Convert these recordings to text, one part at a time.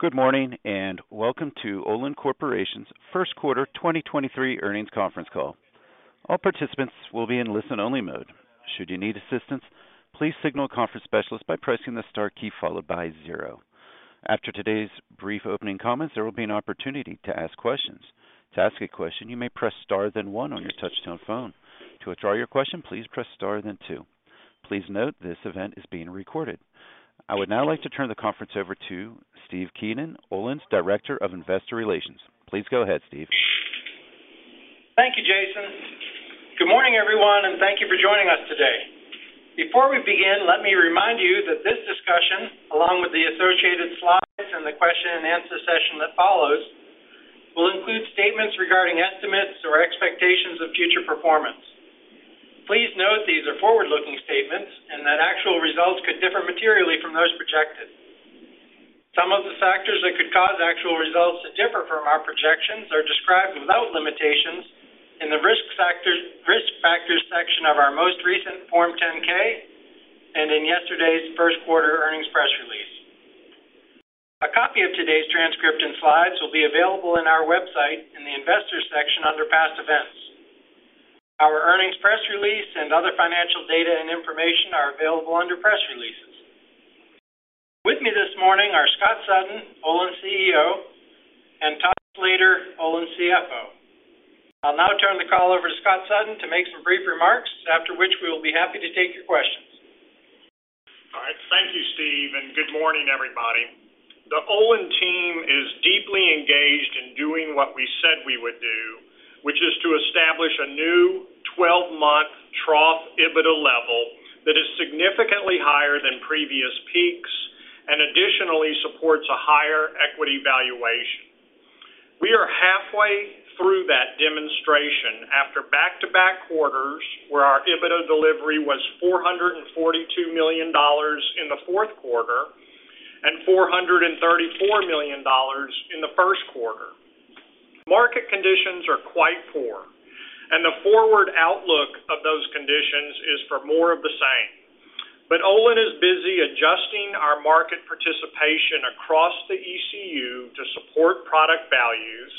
Good morning. Welcome to Olin Corporation's first quarter 2023 earnings conference call. All participants will be in listen-only mode. Should you need assistance, please signal a conference specialist by pressing the star key followed by 0. After today's brief opening comments, there will be an opportunity to ask questions. To ask a question, you may press star then 1 on your touchtone phone. To withdraw your question, please press star then 2. Please note this event is being recorded. I would now like to turn the conference over to Steve Keenan, Olin's Director of Investor Relations. Please go ahead, Steve. Thank you, Jason. Good morning, everyone, and thank you for joining us today. Before we begin, let me remind you that this discussion, along with the associated slides and the question and answer session that follows, will include statements regarding estimates or expectations of future performance. Please note these are forward-looking statements and that actual results could differ materially from those projected. Some of the factors that could cause actual results to differ from our projections are described without limitations in the risk factors section of our most recent Form 10-K and in yesterday's first quarter earnings press release. A copy of today's transcript and slides will be available in our website in the Investors section under Past Events. Our earnings press release and other financial data and information are available under Press Releases. With me this morning are Scott Sutton, Olin CEO, and Todd Slater, Olin CFO. I'll now turn the call over to Scott Sutton to make some brief remarks, after which we will be happy to take your questions. All right. Thank you, Steve Keenan, and good morning, everybody. The Olin team is deeply engaged in doing what we said we would do, which is to establish a new 12-month trough EBITDA level that is significantly higher than previous peaks and additionally supports a higher equity valuation. We are halfway through that demonstration after back-to-back quarters where our EBITDA delivery was $442 million in the fourth quarter and $434 million in the first quarter. Market conditions are quite poor. The forward outlook of those conditions is for more of the same. Olin is busy adjusting our market participation across the ECU to support product values,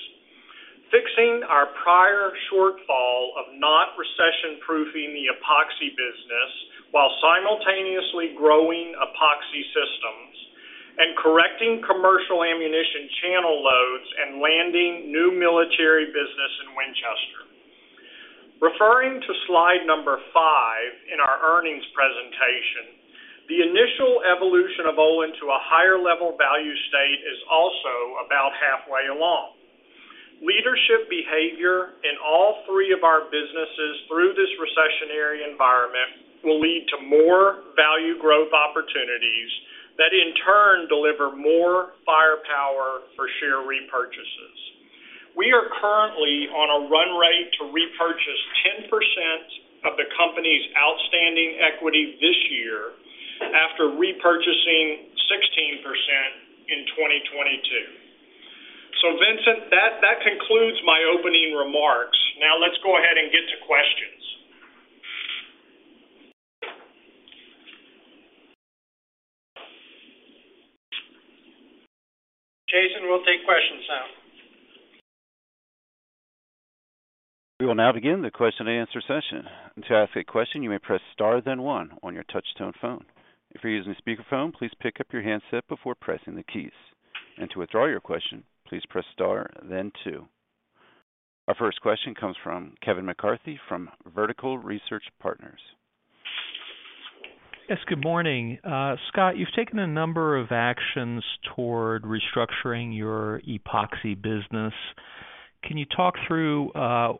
fixing our prior shortfall of not recession-proofing the Epoxy business while simultaneously growing Epoxy systems and correcting commercial ammunition channel loads and landing new military business in Winchester. Referring to slide number 5 in our earnings presentation, the initial evolution of Olin to a higher level value state is also about halfway along. Leadership behavior in all three of our businesses through this recessionary environment will lead to more value growth opportunities that in turn deliver more firepower for share repurchases. We are currently on a run rate to repurchase 10% of the company's outstanding equity this year after repurchasing 16% in 2022. Vincent, that concludes my opening remarks. Let's go ahead and get to questions. Jason, we'll take questions now. We will now begin the question and answer session. To ask a question, you may press star then one on your touch tone phone. If you're using a speakerphone, please pick up your handset before pressing the keys. To withdraw your question, please press star then two. Our first question comes from Kevin McCarthy from Vertical Research Partners. Yes, good morning. Scott, you've taken a number of actions toward restructuring your Epoxy business. Can you talk through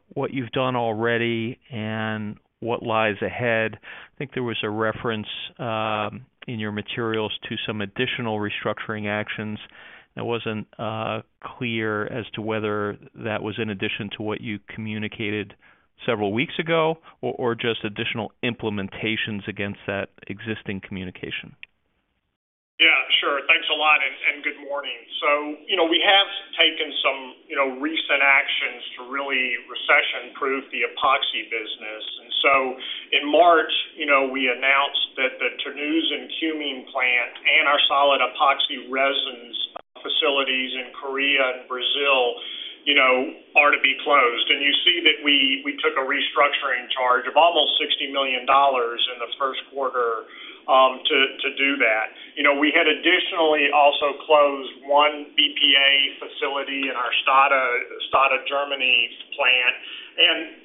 what you've done already and what lies ahead? I think there was a reference in your materials to some additional restructuring actions that wasn't clear as to whether that was in addition to what you communicated several weeks ago or just additional implementations against that existing communication. Yeah, sure. Thanks a lot and good morning. You know, we have taken some, you know, recent actions to really recession-proof the Epoxy business. In March, you know, we announced that the Terneuzen cumene plant and our solid Epoxy resins facilities in Korea and Brazil, you know, are to be closed. You see that we took a restructuring charge of almost $60 million in the first quarter to do that. You know, we had additionally also closed one BPA facility in our Stade Germany plant.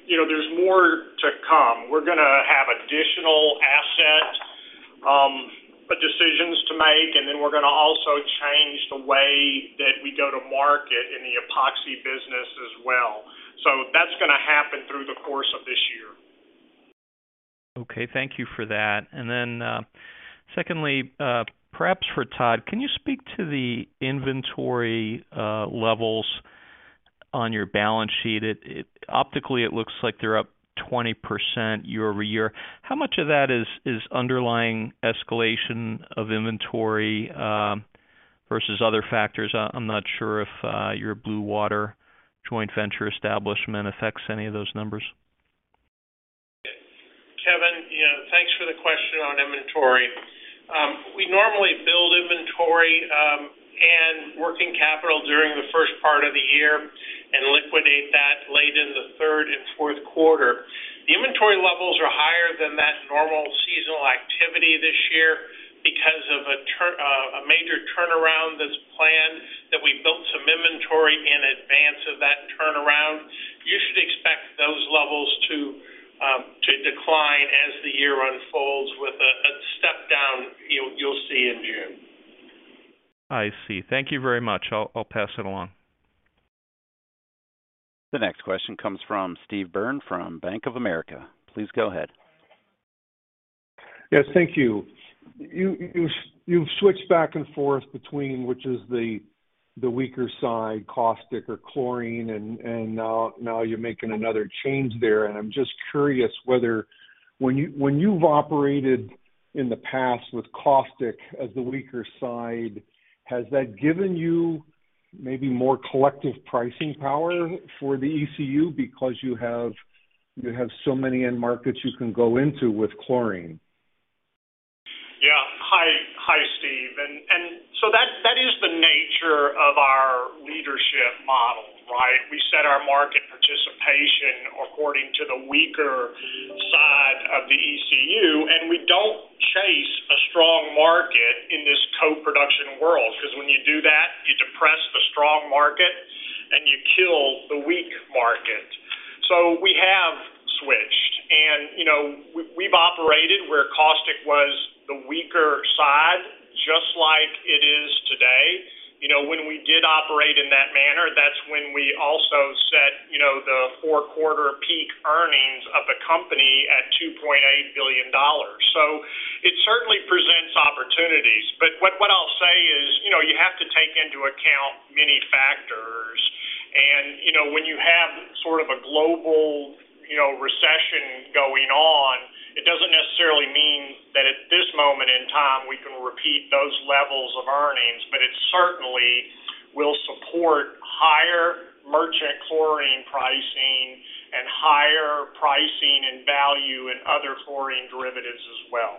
You know, there's more to come. We're gonna have additional asset decisions to make, and then we're gonna also change the way that we go to market in the Epoxy business as well. That's gonna happen through the course of this year. Okay. Thank you for that. Secondly, perhaps for Todd, can you speak to the inventory levels on your balance sheet? Optically, it looks like they're up 20% year-over-year. How much of that is underlying escalation of inventory versus other factors? I'm not sure if your Blue Water joint venture establishment affects any of those numbers. Thanks for the question on inventory. We normally build inventory, and working capital during the first part of the year and liquidate that late in the third and fourth quarter. The inventory levels are higher than that normal seasonal activity this year because of a major turnaround that's planned that we built some inventory in advance of that turnaround. You should expect those levels to decline as the year unfolds with a step down you'll see in June. I see. Thank you very much. I'll pass it along. The next question comes from Steve Byrne from Bank of America. Please go ahead. Yes, thank you. You've switched back and forth between which is the weaker side, caustic or chlorine, and now you're making another change there. I'm just curious whether when you've operated in the past with caustic as the weaker side, has that given you maybe more collective pricing power for the ECU because you have so many end markets you can go into with chlorine? Yeah. Hi, Steve. That is the nature of our leadership model, right? We set our market participation according to the weaker side of the ECU, and we don't chase a strong market in this co-production world because when you do that, you depress the strong market, and you kill the weak market. We have switched. You know, we've operated where caustic was the weaker side, just like it is today. You know, when we did operate in that manner, that's when we also set, you know, the 4-quarter peak earnings of the company at $2.8 billion. It certainly presents opportunities. What I'll say is, you know, you have to take into account many factors. You know, when you have sort of a global, you know, recession going on, it doesn't necessarily mean that at this moment in time we can repeat those levels of earnings, but it certainly will support higher merchant chlorine pricing and higher pricing and value in other chlorine derivatives as well.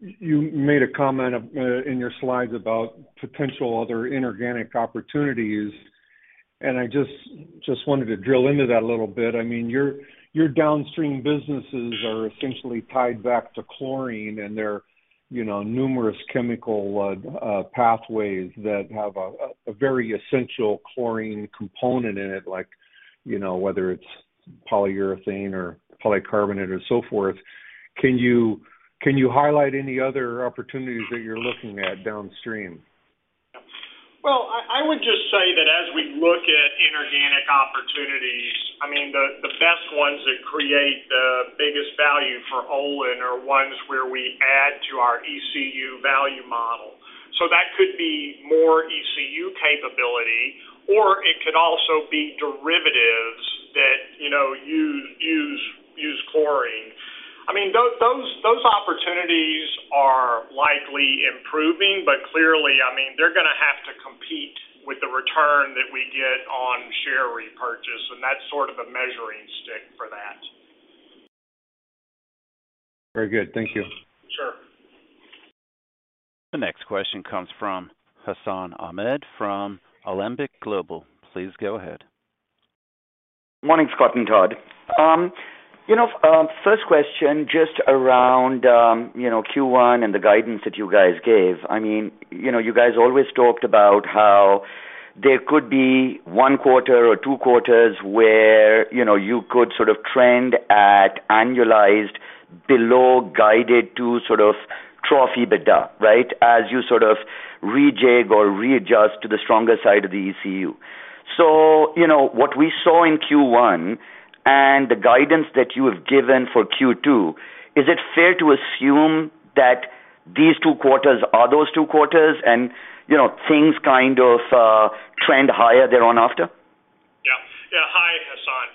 You made a comment in your slides about potential other inorganic opportunities, and I just wanted to drill into that a little bit. I mean, your downstream businesses are essentially tied back to chlorine, and there are, you know, numerous chemical pathways that have a very essential chlorine component in it, like, you know, whether it's polyurethane or polycarbonate or so forth. Can you highlight any other opportunities that you're looking at downstream? Well, I would just say that as we look at inorganic opportunities, I mean, the best ones that create the biggest value for Olin are ones where we add to our ECU value model. That could be more ECU capability, or it could also be derivatives that, you know, use chlorine. I mean, those opportunities are likely improving. Clearly, I mean, they're gonna have to compete with the return that we get on share repurchase, and that's sort of a measuring stick for that. Very good. Thank you. Sure. The next question comes from Hassan Ahmed from Alembic Global. Please go ahead. Morning, Scott and Todd. you know, first question just around, you know, Q1 and the guidance that you guys gave. I mean, you know, you guys always talked about how there could be one quarter or two quarters where, you know, you could sort of trend at annualized below guided to sort of trough EBITDA, right? As you sort of rejig or readjust to the stronger side of the ECU. you know, what we saw in Q1 and the guidance that you have given for Q2, is it fair to assume that these two quarters are those two quarters and, you know, things kind of, trend higher there on after? Yeah. Yeah. Hi, Hassan.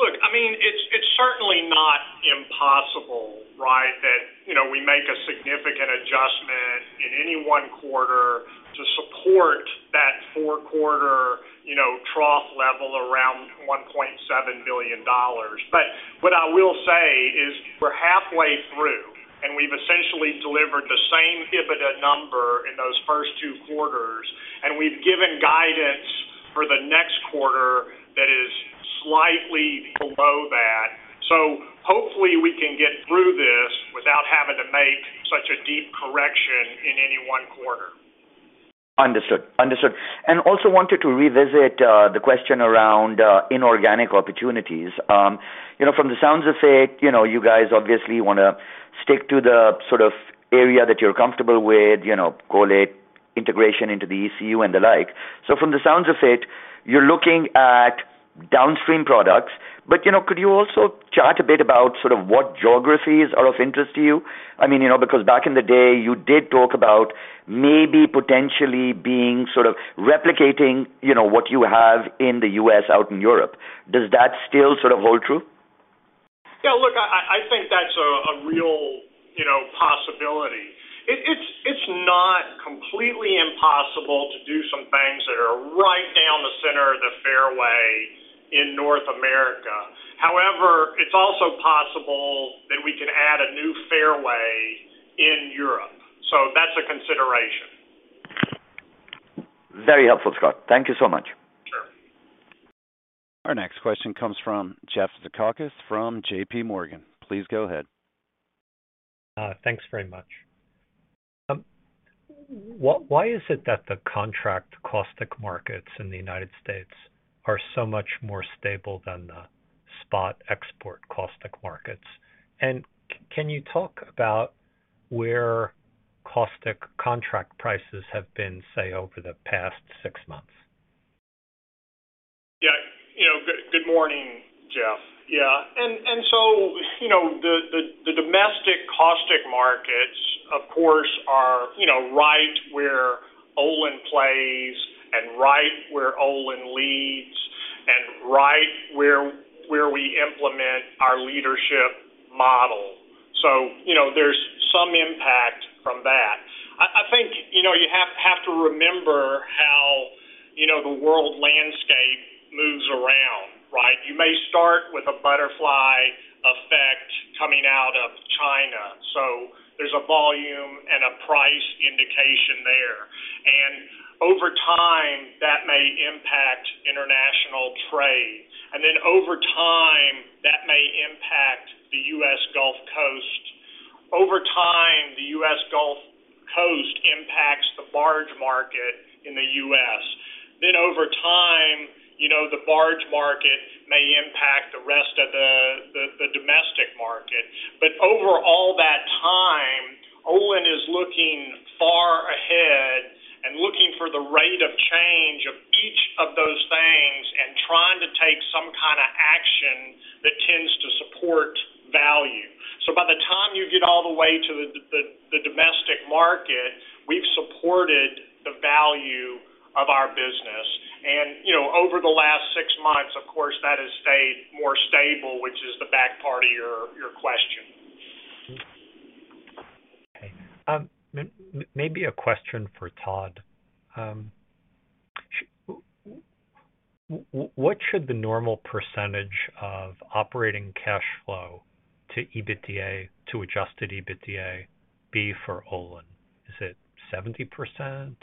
Look, I mean, it's certainly not impossible, right, that, you know, we make a significant adjustment in any one quarter to support that four quarter, you know, trough level around $1.7 billion. What I will say is we're halfway through, and we've essentially delivered the same EBITDA number in those first two quarters, and we've given guidance for the next quarter that is slightly below that. Hopefully we can get through this without having to make such a deep correction in any one quarter. Understood. Understood. Also wanted to revisit the question around inorganic opportunities. You know, from the sounds of it, you know, you guys obviously wanna stick to the sort of area that you're comfortable with, you know, call it integration into the ECU and the like. From the sounds of it, you're looking at downstream products. You know, could you also chat a bit about sort of what geographies are of interest to you? I mean, you know, because back in the day, you did talk about maybe potentially being sort of replicating, you know, what you have in the U.S. out in Europe. Does that still sort of hold true? Yeah, look, I think that's a real, you know, possibility. Center the fairway in North America. It's also possible that we can add a new fairway in Europe, so that's a consideration. Very helpful, Scott. Thank you so much. Sure. Our next question comes from Jeff Zakauskas from J.P. Morgan. Please go ahead. Thanks very much. Why is it that the contract caustic markets in the United States are so much more stable than the spot export caustic markets? Can you talk about where caustic contract prices have been, say, over the past 6 months? Yeah. You know, good morning, Jeff. Yeah. You know, the domestic caustic markets, of course, are, you know, right where Olin plays and right where Olin leads and right where we implement our leadership model. You know, there's some impact from that. I think, you know, you have to remember how, you know, the world landscape moves around, right? You may start with a butterfly effect coming out of China, so there's a volume and a price indication there. Over time, that may impact international trade. Over time, that may impact the U.S. Gulf Coast. Over time, the U.S. Gulf Coast impacts the barge market in the U.S. Over time, you know, the barge market may impact the rest of the domestic market. Over all that time, Olin is looking far ahead and looking for the rate of change of each of those things and trying to take some kinda action that tends to support value. By the time you get all the way to the domestic market, we've supported the value of our business. You know, over the last six months, of course, that has stayed more stable, which is the back part of your question. Okay. Maybe a question for Todd. What should the normal percentage of operating cash flow to EBITDA, to adjusted EBITDA be for Olin? Is it 70%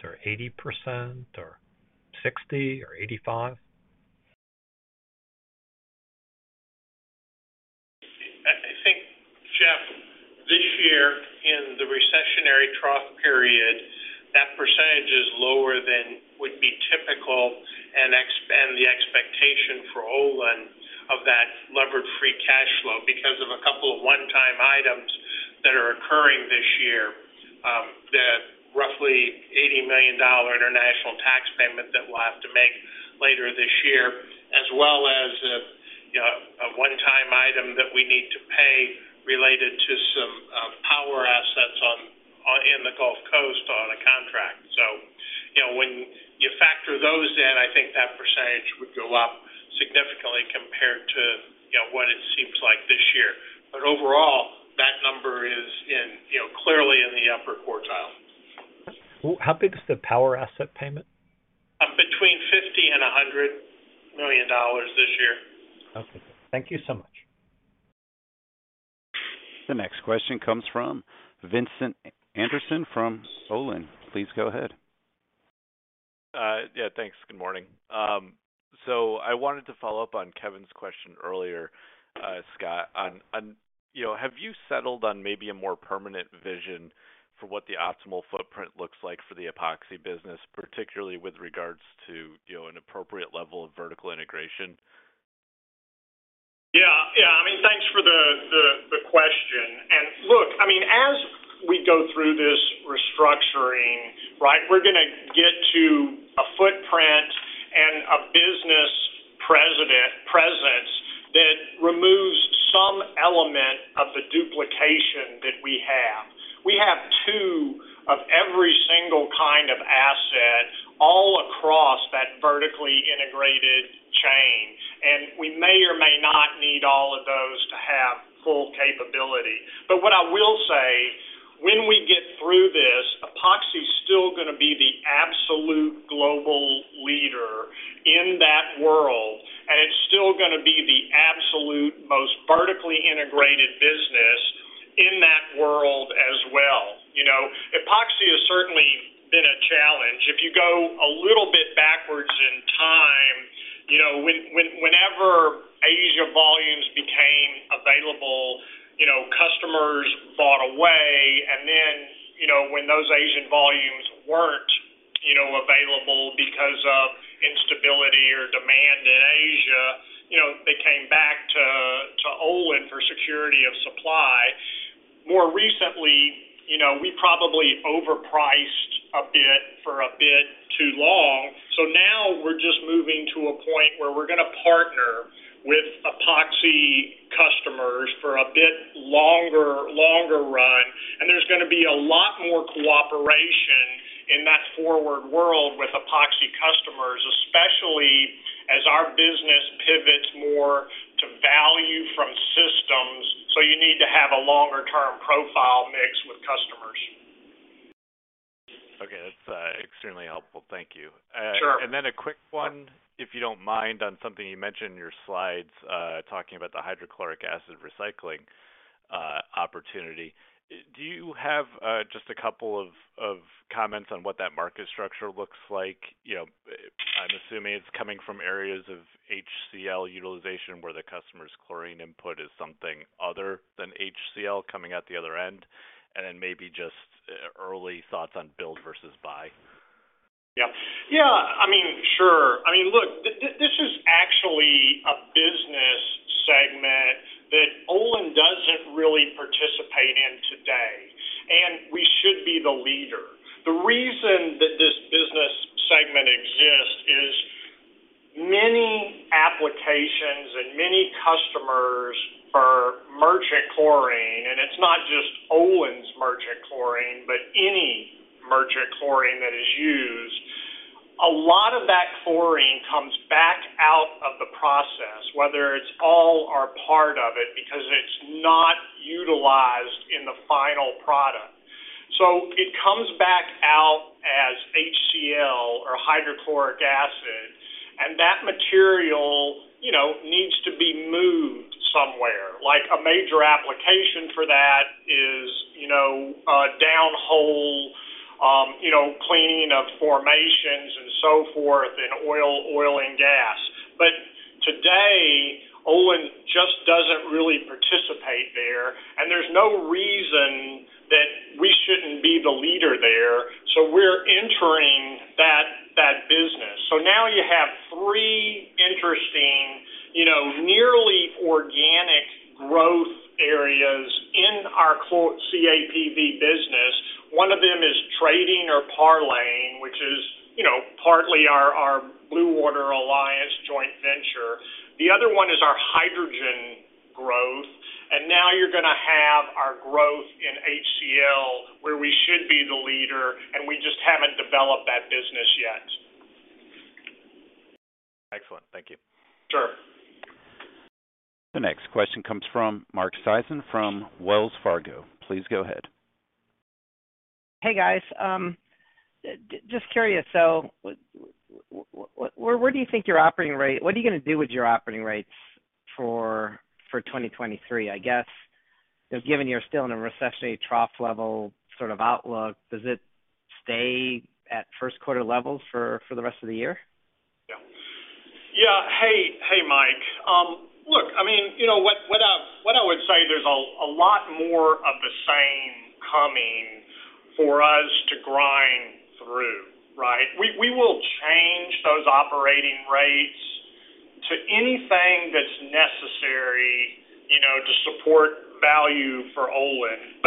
or 80% or 60 or 85? I think, Jeff, this year in the recessionary trough period, that percentage is lower than would be typical and the expectation for Ol of that levered free cash flow because of a couple of one-time items that are occurring this year. The roughly $80 million international tax payment that we'll have to make later this year, as well as, you know, a one-time item that we need to pay related to some power assets in the Gulf Coast on a contract. You know, when you factor those in, I think that percentage would go up significantly compared to, you know, what it seems like this year. Overall, that number is in, you know, clearly in the upper quartile. How big is the power asset payment? Between $50 million and $100 million this year. Okay. Thank you so much. The next question comes from Vincent Anderson from Olin. Please go ahead. Yeah, thanks. Good morning. I wanted to follow up on Kevin's question earlier, Scott, on, you know, have you settled on maybe a more permanent vision for what the optimal footprint looks like for the Epoxy business, particularly with regards to, you know, an appropriate level of vertical integration? Yeah. Yeah. I mean, thanks for the question. Look, I mean, as we go through this restructuring, right, we're gonna get to a footprint and a business presence that removes some element of the duplication that we have. We have two of every single kind of asset all across that vertically integrated chain, and we may or may not need all of those to have full capability. What I will say, when we get through this, Epoxy is still gonna be the absolute global leader in that world, and it's still gonna be the absolute most vertically integrated business in that world as well. You know, Epoxy has certainly been a challenge. If you go a little bit backwards in time, you know, whenever Asia volumes became available, you know, customers bought away. You know, when those Asian volumes weren't, you know, available because of instability or demand in Asia, you know, they came back to Olin for security of supply. More recently, you know, we probably overpriced a bit for a bit too long. We're just moving to a point where we're gonna partner with Epoxy customers for a bit longer run, and there's gonna be a lot more cooperation in that forward world with Epoxy customers, especially as our business pivots more to value from systems. You need to have a longer term profile mix with customers. Okay, that's extremely helpful. Thank you. Sure. Then a quick one, if you don't mind, on something you mentioned in your slides, talking about the hydrochloric acid recycling opportunity. Do you have just a couple of comments on what that market structure looks like? You know, I'm assuming it's coming from areas of HCL utilization where the customer's chlorine input is something other than HCL coming out the other end. Then maybe just early thoughts on build versus buy. Yeah. Yeah. I mean, sure. I mean, look, this is actually a business segment that Olin doesn't really participate in today, and we should be the leader. The reason that this business segment exists is many applications and many customers for merchant chlorine, and it's not just Olin's merchant chlorine, but any merchant chlorine that is used. A lot of that chlorine comes back out of the process, whether it's all or part of it, because it's not utilized in the final product. It comes back out as HCL or hydrochloric acid, and that material, you know, needs to be moved somewhere. Like a major application for that is, you know, downhole, you know, cleaning of formations and so forth in oil and gas. Today, Olin just doesn't really participate there, and there's no reason that we shouldn't be the leader there. We're entering that business. Now you have three interesting, you know, nearly organic growth areas in our quote, CAPV business. One of them is trading or parlaying, which is, you know, partly our Blue Water Alliance joint venture. The other one is our hydrogen growth. Now you're going to have our growth in HCL, where we should be the leader, and we just haven't developed that business yet. Excellent. Thank you. Sure. The next question comes from Michael Sison from Wells Fargo. Please go ahead. Hey, guys. Just curious, what are you going to do with your operating rates for 2023? I guess, given you're still in a recessionary trough level sort of outlook, does it stay at first quarter levels for the rest of the year? Yeah. Hey, hey, Mike. Look, I mean, you know what I would say there's a lot more of the same coming for us to grind through, right? We will change those operating rates to anything that's necessary, you know, to support value for Olin.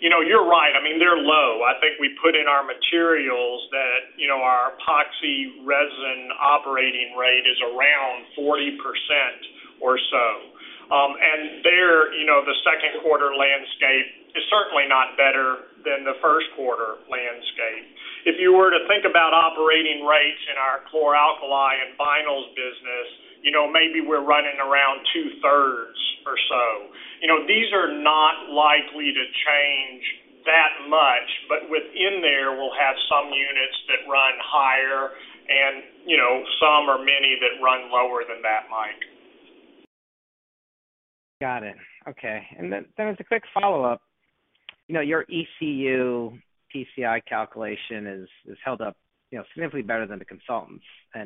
You know, you're right. I mean, they're low. I think we put in our materials that, you know, our epoxy resin operating rate is around 40% or so. There, you know, the second quarter landscape is certainly not better than the first quarter landscape. If you were to think about operating rates in our core Alkali and Vinyls business, you know, maybe we're running around two-thirds or so. You know, these are not likely to change that much. Within there, we'll have some units that run higher and, you know, some or many that run lower than that, Mike. Got it. Okay. Then as a quick follow-up. You know, your ECU netback calculation is held up, you know, significantly better than the consultants. I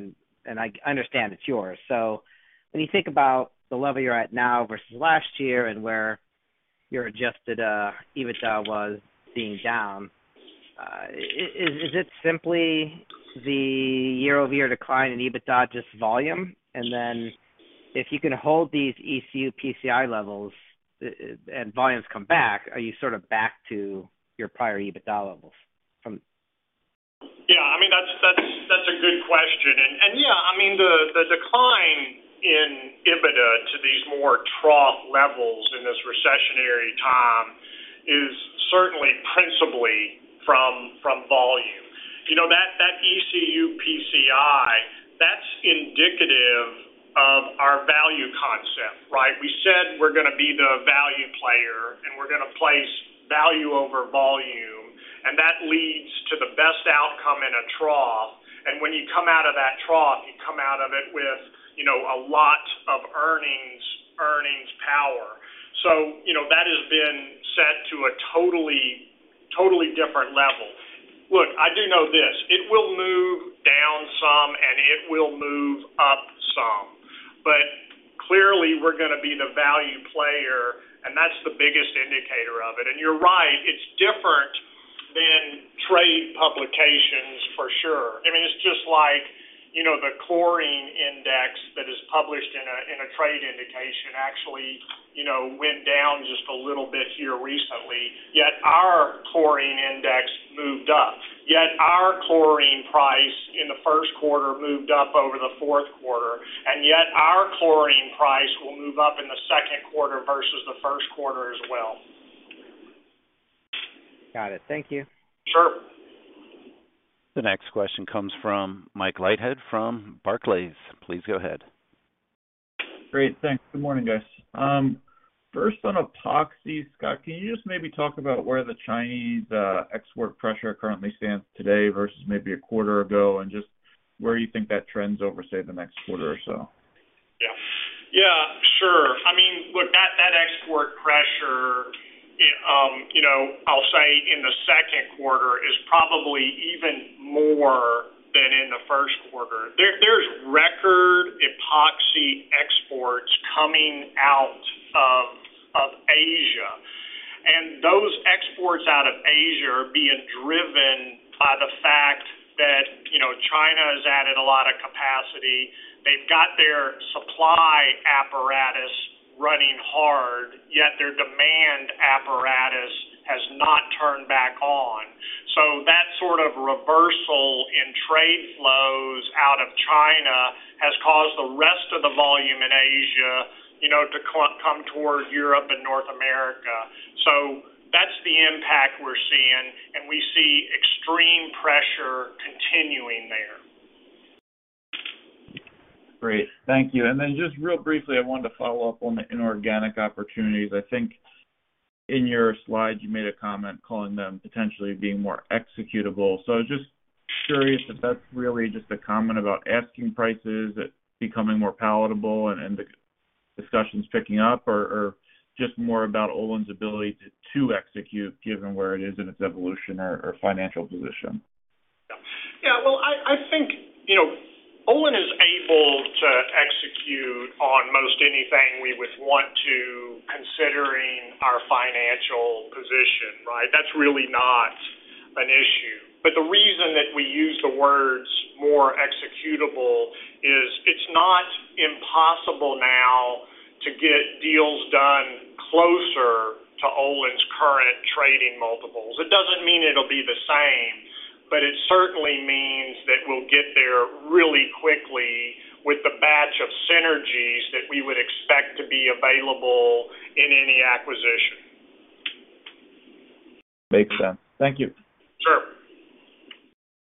understand it's yours. When you think about the level you're at now versus last year and where your adjusted EBITDA was being down, is it simply the year-over-year decline in EBITDA, just volume? Then if you can hold these ECU netback levels and volumes come back, are you sort of back to your prior EBITDA levels from? I mean, that's a good question. Yeah, I mean, the decline in EBITDA to these more trough levels in this recessionary time is certainly principally from volume. You know, that ECU netback, that's indicative of our value concept, right? We said we're going to be the value player, and we're going to place value over volume, and that leads to the best outcome in a trough. When you come out of that trough, you come out of it with, you know, a lot of earnings power. You know, that has been set to a totally different level. Look, I do know this. It will move down some, and it will move up some. Clearly, we're going to be the value player, and that's the biggest indicator of it. You're right, it's different than trade publications for sure. I mean, it's just like, you know, the chlorine index that is published in a, in a trade indication actually, you know, went down just a little bit here recently. Our chlorine index moved up. Our chlorine price in the first quarter moved up over the fourth quarter, and yet our chlorine price will move up in the second quarter versus the first quarter as well. Got it. Thank you. Sure. The next question comes from Michael Leithead from Barclays. Please go ahead. Great. Thanks. Good morning, guys. First on Epoxy, Scott, can you just maybe talk about where the Chinese export pressure currently stands today versus maybe a quarter ago and just where you think that trends over, say, the next quarter or so? Yeah. Yeah, sure. I mean, look, that export pressure, you know, I'll say in the second quarter is probably even more than in the first quarter. There's record Epoxy exports coming out of Asia. Those exports out of Asia are being driven by the fact that, you know, China has added a lot of capacity. They've got their supply apparatus running hard, yet their demand apparatus has not turned back on. That sort of reversal in trade flows out of China has caused the rest of the volume in Asia, you know, to come towards Europe and North America. That's the impact we're seeing, and we see extreme pressure continuing there. Great. Thank you. Just real briefly, I wanted to follow up on the inorganic opportunities. I think in your slide, you made a comment calling them potentially being more executable. I was just curious if that's really just a comment about asking prices, it becoming more palatable and the discussions picking up or just more about Olin's ability to execute given where it is in its evolution or financial position? Yeah. Well, I think, you know, Olin is able to execute on most anything we would want to considering our financial position, right? That's really not an issue. The reason that we use the words more executable is it's not impossible now to get deals done closer to Olin's current trading multiples. It doesn't mean it'll be the same, but it certainly means that we'll get there really quickly with the batch of synergies that we would expect to be available in any acquisition. Makes sense. Thank you. Sure.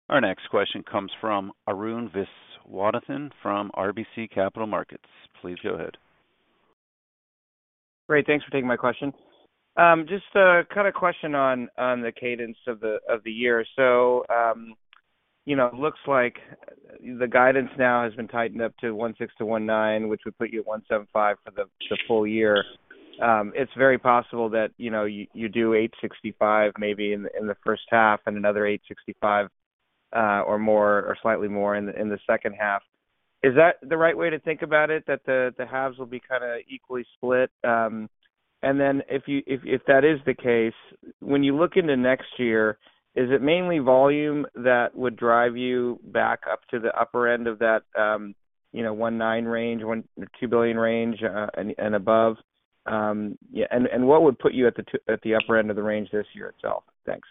Our next question comes from Arun Viswanathan from RBC Capital Markets. Please go ahead. Great. Thanks for taking my question. Just a kind of question on the cadence of the year. You know, it looks like the guidance now has been tightened up to $1.6 billion-$1.9 billion, which would put you at $1.75 billion for the full year. It's very possible that, you know, you do $865 million maybe in the first half and another $865 million or more or slightly more in the second half. Is that the right way to think about it, that the halves will be kind of equally split? If that is the case, when you look into next year, is it mainly volume that would drive you back up to the upper end of that, you know, one nine range, $1 billion-$2 billion range, and above? What would put you at the upper end of the range this year itself? Thanks.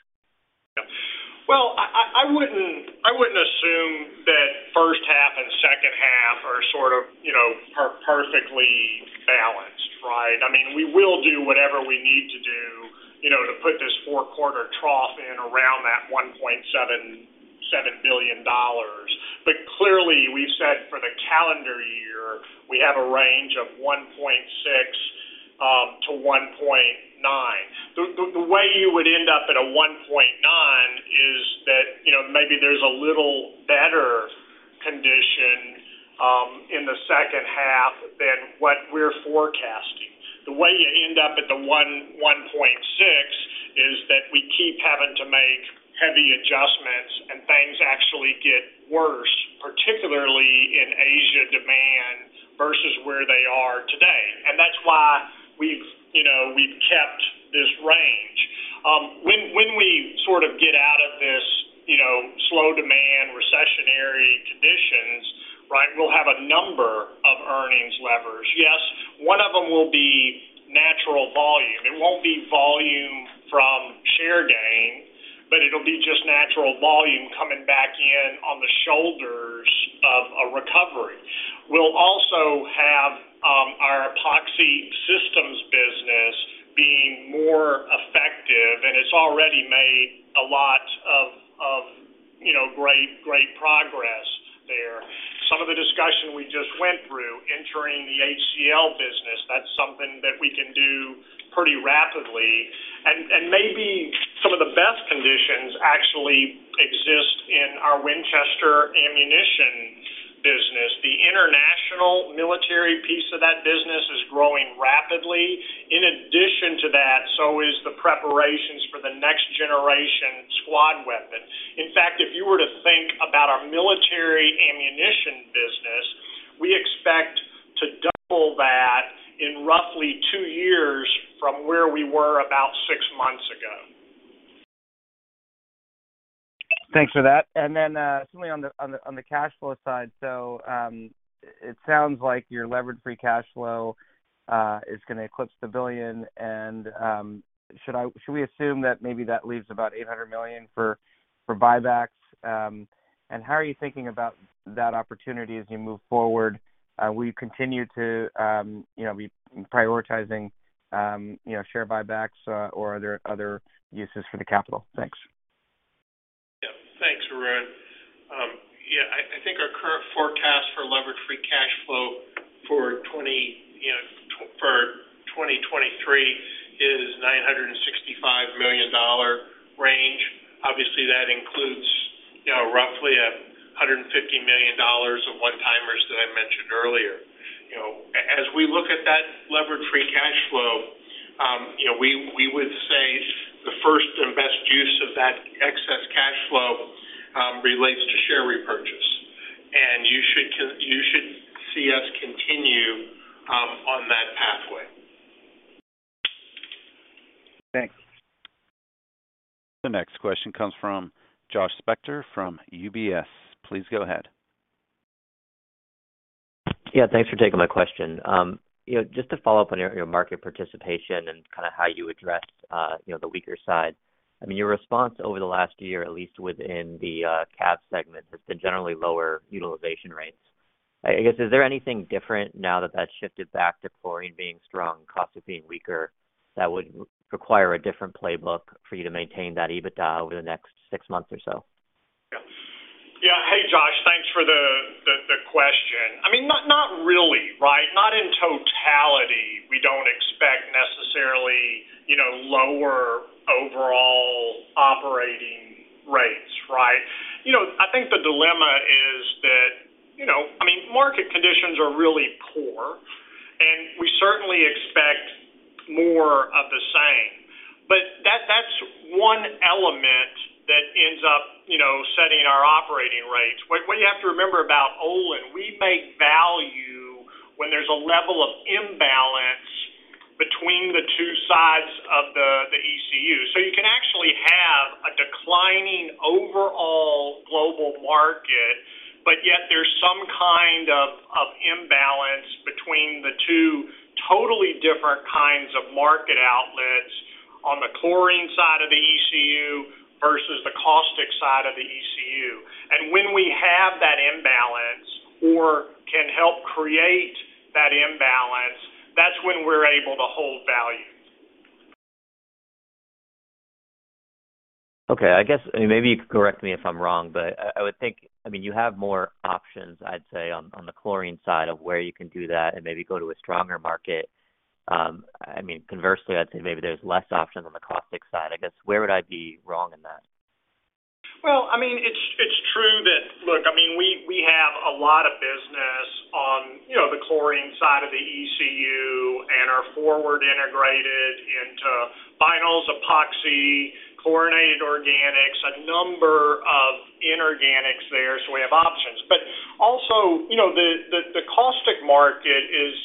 Well, I wouldn't assume that first half and second half are sort of, you know, are perfectly balanced, right? I mean, we will do whatever we need to do, you know, to put this 4-quarter trough in around that $1.77 billion. Clearly, we've said for the calendar year, we have a range of $1.6-$1.9. The way you would end up at a $1.9 is that, you know, maybe there's a little better condition in the second half than what we're forecasting. The way you would end up at the $1.6 is that we keep having to make heavy adjustments and things actually get worse, particularly in Asia demand versus where they are today. That's why we've, you know, we've kept this range. When, when we sort of get out of this, you know, slow demand, recessionary conditions, right, we'll have a number of earnings levers. Yes, one of them will be natural volume. It won't be volume from share gain, but it'll be just natural volume coming back in on the shoulders of a recovery. We'll also have our Epoxy systems business being more effective, and it's already made a lot of, you know, great progress there. Some of the discussion we just went through, entering the HCL business, that's something that we can do pretty rapidly. Maybe some of the best conditions actually exist in our Winchester ammunition business. The international military piece of that business is growing rapidly. In addition to that, so is the preparations for the Next Generation Squad Weapon. In fact, if you were to think about our military ammunition business, we expect to double that in roughly 2 years from where we were about 6 months ago. Thanks for that. Then, something on the cash flow side. It sounds like your levered free cash flow is gonna eclipse $1 billion. Should we assume that maybe that leaves about $800 million for buybacks? How are you thinking about that opportunity as you move forward? Will you continue to, you know, be prioritizing, you know, share buybacks, or are there other uses for the capital? Thanks. Yeah, I think our current forecast for leverage free cash flow for you know, for 2023 is $965 million range. Obviously, that includes, you know, roughly $150 million of one-timers that I mentioned earlier. You know, as we look at that levered free cash flow, you know, we would say the first and best use of that excess cash flow, relates to share repurchase. You should see us continue on that pathway. Thanks. The next question comes from Josh Spector from UBS. Please go ahead. Thanks for taking my question. You know, just to follow up on your market participation and kinda how you address, you know, the weaker side. I mean, your response over the last year, at least within the CAPV segment, has been generally lower utilization rates. I guess, is there anything different now that that's shifted back to chlorine being strong, caustics being weaker, that would require a different playbook for you to maintain that EBITDA over the next 6 months or so? Yeah. Hey, Josh. Thanks for the question. I mean, not really, right? Not in totality, we don't expect necessarily, you know, lower overall operating rates, right? You know, I think the dilemma is that, you know, I mean, market conditions are really poor, and we certainly expect more of the same. That's one element that ends up, you know, setting our operating rates. What you have to remember about Olin, we make value when there's a level of imbalance between the two sides of the ECU. You can actually have a declining overall global market, but yet there's some kind of imbalance between the two totally different kinds of market outlets on the chlorine side of the ECU versus the caustic side of the ECU. When we have that imbalance or can help create that imbalance, that's when we're able to hold value. Okay. I guess, maybe you could correct me if I'm wrong, but I would think, I mean, you have more options, I'd say, on the chlorine side of where you can do that and maybe go to a stronger market. I mean, conversely, I'd say maybe there's less options on the caustic side. I guess, where would I be wrong in that? Well, I mean, it's true that. Look, I mean, we have a lot of business on, you know, the chlorine side of the ECU and are forward integrated into vinyls, Epoxy, chlorinated organics, a number of inorganics there, so we have options. Also, you know, the caustic market is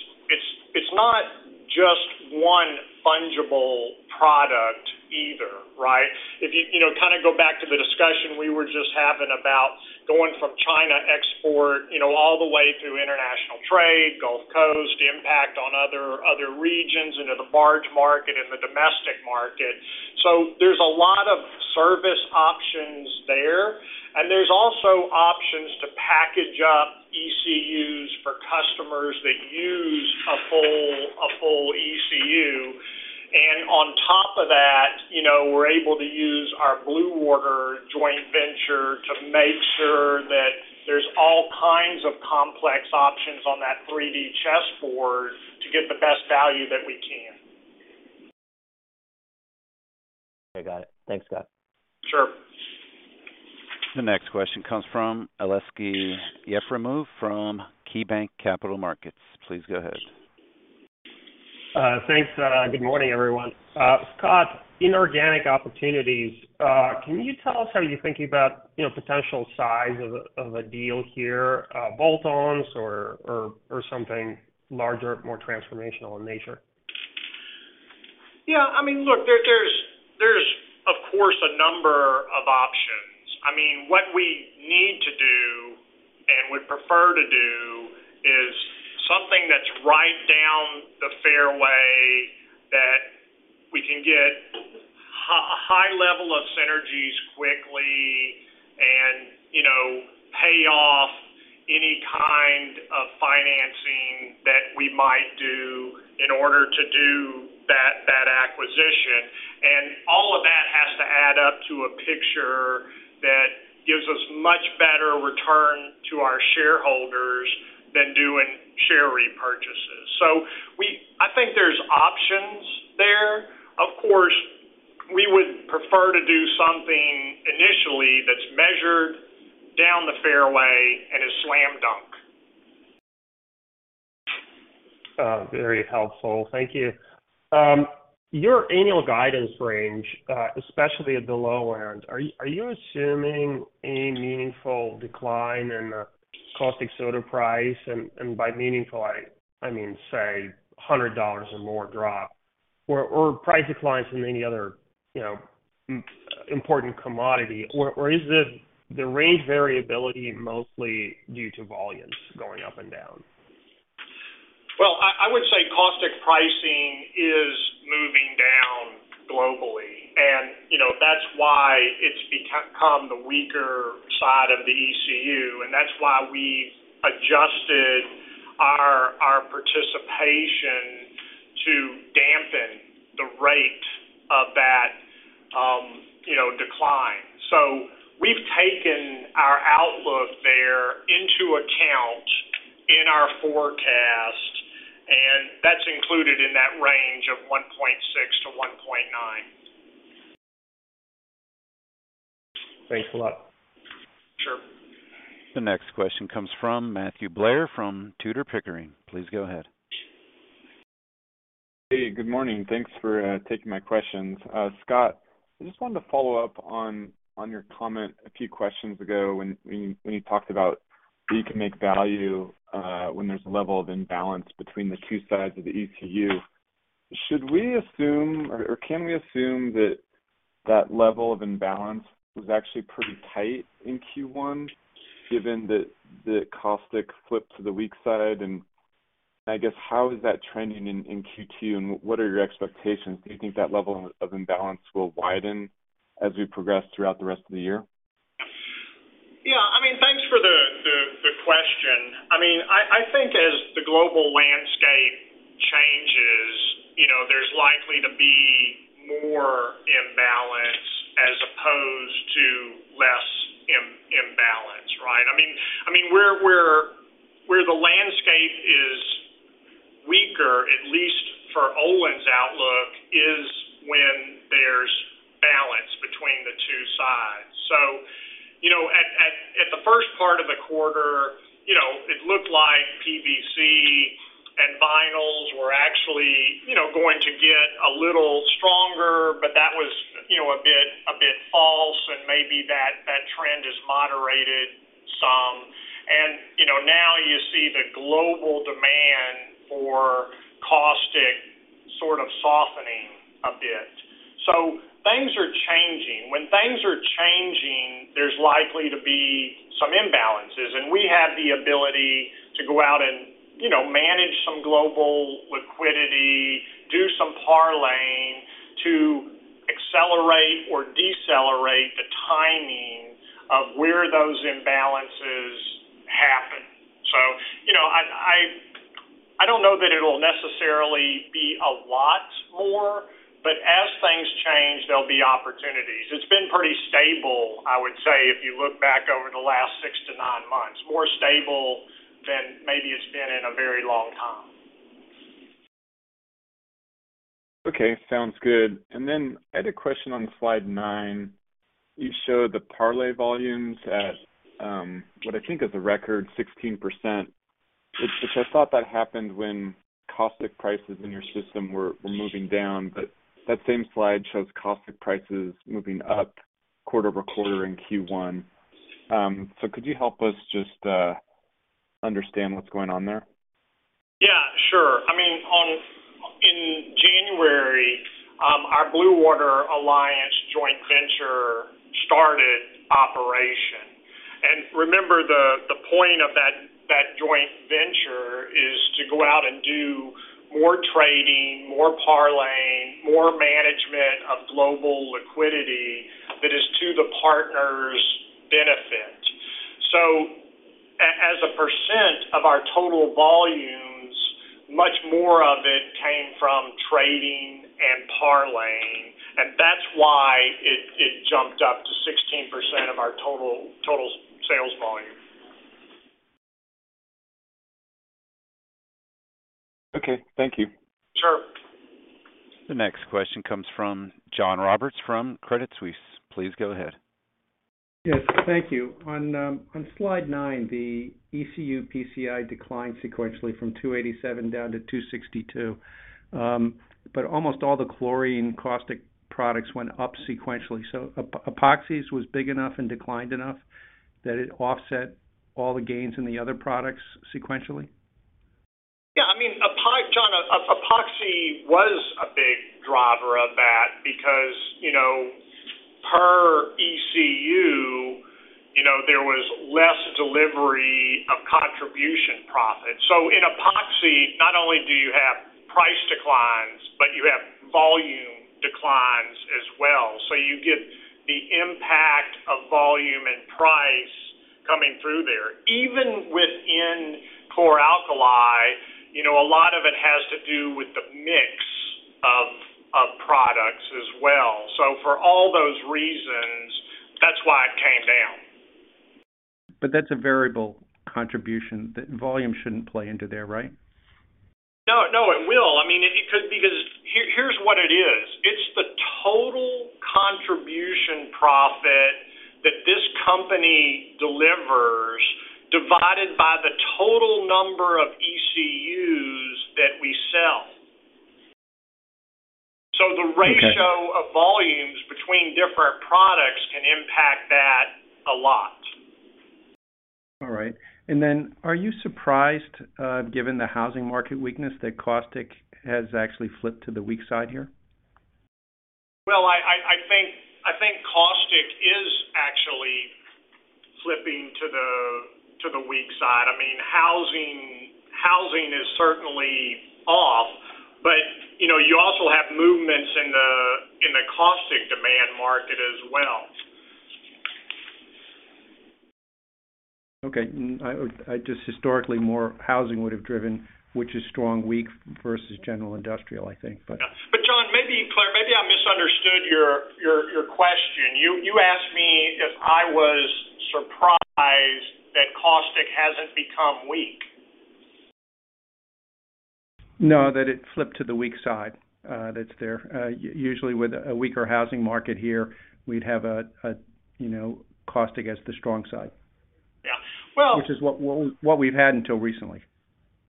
not just one fungible product either, right? If you know, kind of go back to the discussion we were just having about going from China export, you know, all the way through international trade, Gulf Coast, impact on other regions into the barge market and the domestic market. There's a lot of service options there, and there's also options to package up ECUs for customers that use a full ECU. On top of that, you know, we're able to use our Blue Water joint venture to make sure that there's all kinds of complex options on that 3D chessboard to get the best value that we can. Okay, got it. Thanks, Scott. Sure. The next question comes from Aleksey Yefremov from KeyBanc Capital Markets. Please go ahead. Thanks. Good morning, everyone. Scott, inorganic opportunities, can you tell us how you're thinking about, you know, potential size of a deal here, bolt-ons or something larger, more transformational in nature? Yeah. I mean, look, there's of course a number of options. I mean, what we need to do and would prefer to do is something that's right down the fairway that we can get a high level of synergies quickly and, you know, pay off any kind of financing that we might do in order to do that acquisition. All of that has to add up to a picture that gives us much better return to our shareholders than doing share repurchases. I think there's options there. Of course, we would prefer to do something initially that's measured down the fairway and is slam dunk. Very helpful. Thank you. Your annual guidance range, especially at the low end, are you assuming any meaningful decline in the caustic soda price? By meaningful, I mean, say, $100 or more drop or price declines in any other, you know, important commodity? Is it the range variability mostly due to volumes going up and down? I would say caustic pricing is moving down globally. You know, that's why it's become the weaker side of the ECU, and that's why we adjusted our participation, you know, decline. We've taken our outlook there into account in our forecast, and that's included in that range of 1.6-1.9. Thanks a lot. Sure. The next question comes from Matthew Blair from Tudor, Pickering, Holt & Co. Please go ahead. Hey, good morning. Thanks for taking my questions. Scott, I just wanted to follow up on your comment a few questions ago when you talked about you can make value when there's a level of imbalance between the two sides of the ECU. Should we assume or can we assume that that level of imbalance was actually pretty tight in Q1 given that the caustic flip to the weak side? I guess, how is that trending in Q2, and what are your expectations? Do you think that level of imbalance will widen as we progress throughout the rest of the year? Yeah, I mean, thanks for the question. I mean, I think as the global landscape changes, you know, there's likely to be more imbalance as opposed to less imbalance, right? I mean, where the landscape is weaker, at least for Olin's outlook, is when there's balance between the two sides. You know, at the first part of the quarter, you know, it looked like PVC and vinyls were actually, you know, going to get a little stronger, but that was, you know, a bit false, and maybe that trend has moderated some. You know, now you see the global demand for caustic sort of softening a bit. Things are changing. When things are changing, there's likely to be some imbalances. We have the ability to go out and, you know, manage some global liquidity, do some parlaying to accelerate or decelerate the timing of where those imbalances happen. You know, I don't know that it'll necessarily be a lot more, but as things change, there'll be opportunities. It's been pretty stable, I would say, if you look back over the last six to nine months, more stable than maybe it's been in a very long time. Okay. Sounds good. Then I had a question on slide 9. You showed the parlay volumes at, what I think is a record 16%, which I thought that happened when caustic prices in your system were moving down. That same slide shows caustic prices moving up quarter-over-quarter in Q1. Could you help us just understand what's going on there? Yeah, sure. I mean, in January, our Blue Water Alliance joint venture started operation. Remember the point of that joint venture is to go out and do more trading, more parlaying, more management of global liquidity that is to the partners' benefit. As a percent of our total volumes, much more of it came from trading and parlaying, and that's why it jumped up to 16% of our total sales volume. Okay. Thank you. Sure. The next question comes from John Roberts from Credit Suisse. Please go ahead. Yes. Thank you. On slide nine, the ECU netback declined sequentially from $287 down to $262. Almost all the chlorine caustic products went up sequentially. Epoxy was big enough and declined enough that it offset all the gains in the other products sequentially? Yeah. I mean, John, Epoxy was a big driver of that because, you know, per ECU, you know, there was less delivery of contribution profit. In Epoxy, not only do you have price declines, but you have volume declines as well. You get the impact of volume and price coming through there. Even within core Alkali, you know, a lot of it has to do with the mix of products as well. For all those reasons, that's why it came down. That's a variable contribution. The volume shouldn't play into there, right? No, no, it will. I mean, it could because here's what it is. It's the total contribution profit that this company delivers divided by the total number of ECUs that we sell. Okay. The ratio of volumes between different products can impact that a lot. All right. Then are you surprised, given the housing market weakness that caustic has actually flipped to the weak side here? Well, I think caustic is actually flipping to the weak side. I mean, housing is certainly off, but, you know, you also have movements in the caustic demand market as well. Okay. I just historically more housing would have driven, which is strong, weak versus general industrial, I think, but. Yeah. John, Claire, maybe I misunderstood your question. You asked me if I was surprised that caustic hasn't become weak. No, that it flipped to the weak side, that's there. Usually with a weaker housing market here, we'd have a, you know, caustic as the strong side. Yeah. Which is what we've had until recently.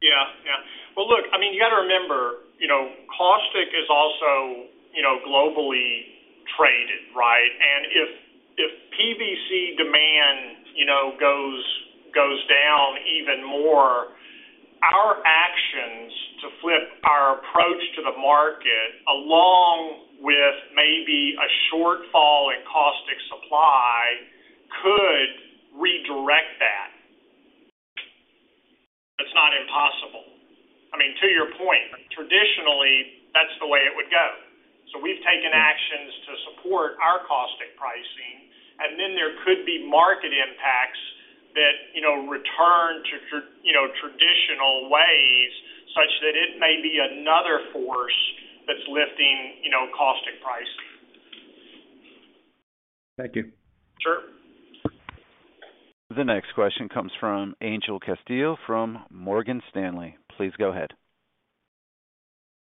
Yeah, yeah. Look, I mean, you got to remember, you know, caustic is also, you know, globally traded, right? If, if PVC demand, you know, goes down even more, our actions to flip our approach to the market, along with maybe a shortfall in caustic supply could redirect that. That's not impossible. I mean, to your point, traditionally, that's the way it would go. We've taken actions to support our caustic pricing. Then there could be market impacts that, you know, return to you know, traditional ways such that it may be another force that's lifting, you know, caustic price. Thank you. Sure. The next question comes from Angel Castillo from Morgan Stanley. Please go ahead.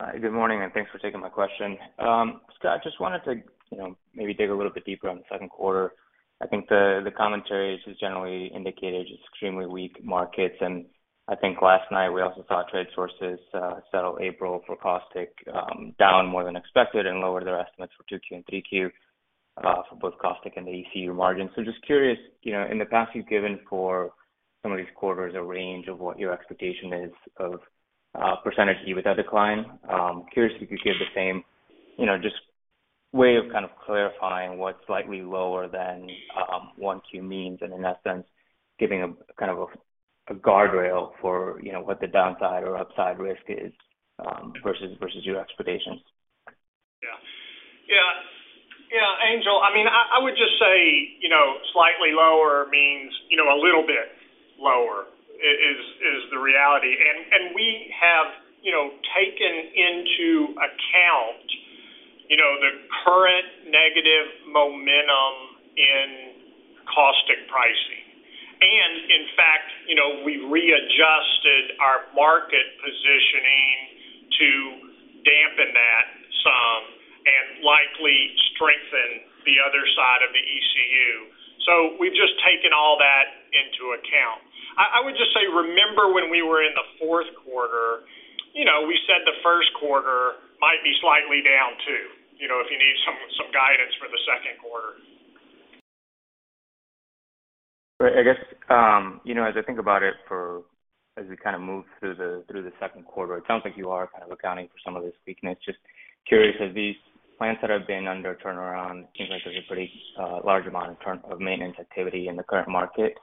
Hi, good morning, and thanks for taking my question. Scott, just wanted to, you know, maybe dig a little bit deeper on the second quarter. I think the commentary has generally indicated just extremely weak markets. I think last night we also saw trade sources sell April for caustic down more than expected and lower their estimates for 2Q and 3Q for both caustic and the ECU margin. Just curious, you know, in the past, you've given for some of these quarters a range of what your expectation is of percentage EBITDA decline. Curious if you could give the same, you know, just way of kind of clarifying what slightly lower than 1Q means, and in that sense, giving a kind of a guardrail for, you know, what the downside or upside risk is, versus your expectations? Yeah. Yeah. Yeah, Angel, I mean, I would just say, you know, slightly lower means, you know, a little bit lower is the reality. And we have, you know, taken into account, you know, the current negative momentum in caustic pricing. In fact, you know, we readjusted our market positioning to dampen that some and likely strengthen the other side of the ECU. We've just taken all that into account. I would just say, remember when we were in the fourth quarter, you know, we said the first quarter might be slightly down, too, you know, if you need some guidance for the second quarter. I guess, you know, as I think about it for as we kind of move through the, through the second quarter, it sounds like you are kind of accounting for some of this weakness. Just curious, have these plants that have been under turnaround, it seems like there's a pretty large amount in term of maintenance activity in the current market.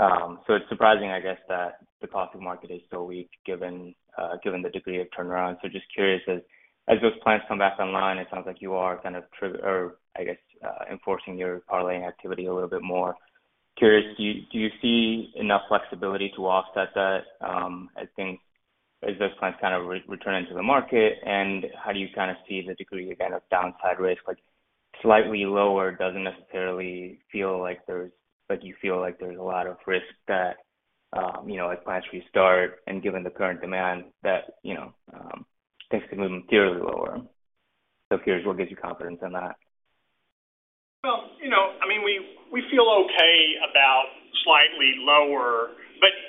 It's surprising, I guess, that the caustic market is so weak given given the degree of turnaround. Just curious, as those plants come back online, it sounds like you are kind of enforcing your parlaying activity a little bit more. Curious, do you, do you see enough flexibility to offset that? I think as those plants kind of re-return into the market, and how do you kind of see the degree, again, of downside risk? Like, slightly lower doesn't necessarily feel like you feel like there's a lot of risk that, you know, as plants restart and given the current demand that, you know, things can move materially lower. Curious what gives you confidence in that. Well, you know, I mean, we feel okay about slightly lower.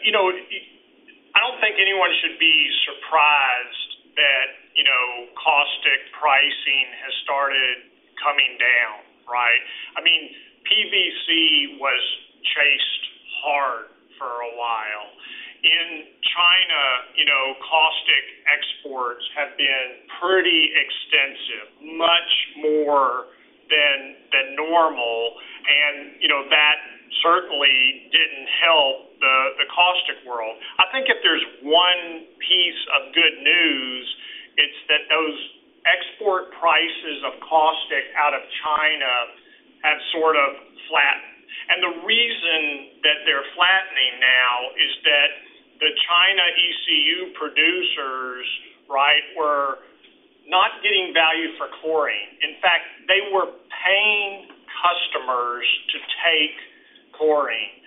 You know, I don't think anyone should be surprised that, you know, caustic pricing has started coming down, right? I mean, PVC was chased hard for a while. In China, you know, caustic exports have been pretty extensive, much more than normal. You know, that certainly didn't help the caustic world. I think if there's one piece of good news, it's that those export prices of caustic out of China have sort of flattened. The reason that they're flattening now is that the China ECU producers, right, were not getting value for chlorine. In fact, they were paying customers to take chlorine.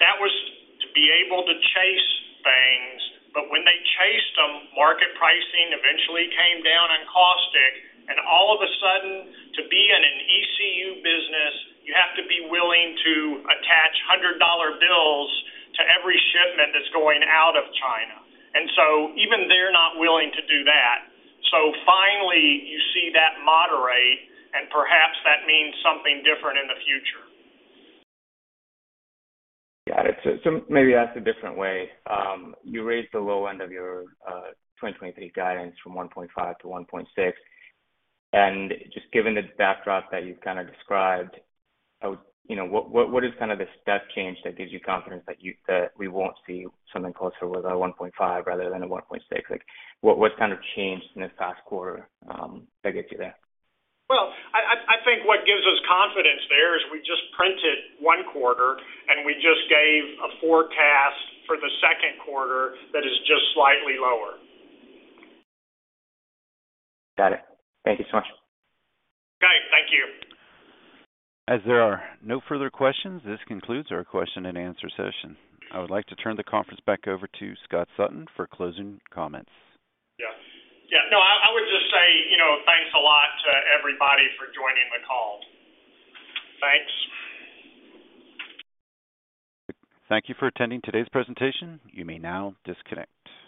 That was to be able to chase things. When they chased them, market pricing eventually came down on caustic. All of a sudden, to be in an ECU business, you have to be willing to attach $100 bills to every shipment that's going out of China. Even they're not willing to do that. Finally, you see that moderate, and perhaps that means something different in the future. Got it. Maybe ask a different way. You raised the low end of your 2023 guidance from $1.5 billion to $1.6 billion. Just given the backdrop that you've kind of described, I would, you know, what is kind of the step change that gives you confidence that we won't see something closer with a $1.5 billion rather than a $1.6 billion? Like, what's kind of changed in the past quarter that gets you that? I think what gives us confidence there is we just printed one quarter, and we just gave a forecast for the second quarter that is just slightly lower. Got it. Thank you so much. Okay. Thank you. As there are no further questions, this concludes our question and answer session. I would like to turn the conference back over to Scott Sutton for closing comments. Yeah. Yeah. I would just say, you know, thanks a lot to everybody for joining the call. Thanks. Thank you for attending today's presentation. You may now disconnect.